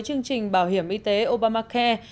chương trình bảo hiểm y tế obamacare